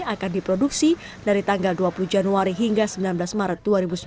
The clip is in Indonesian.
akan diproduksi dari tanggal dua puluh januari hingga sembilan belas maret dua ribu sembilan belas